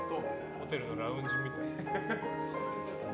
ホテルのラウンジみたい。